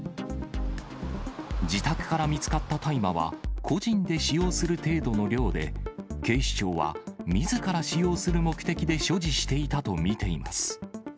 自宅から見つかった大麻は、個人で使用する程度の量で、警視庁はみずから使用する目的で所持していたと見ています。